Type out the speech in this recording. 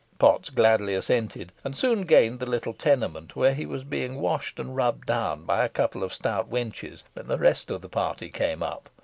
Potts gladly assented, and soon gained the little tenement, where he was being washed and rubbed down by a couple of stout wenches when the rest of the party came up.